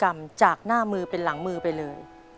และพฤติกรรมจากหน้ามือเป็นหลังมือไปเลย